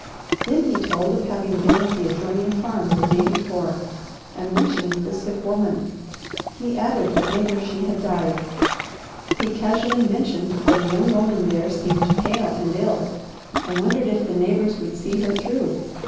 Then he told of having been at the adjoining farm the day before and mentioned the sick woman. He added that later she had died. He casually mentioned that a young woman there seemed pale and ill and wondered if the neighbours would see her through.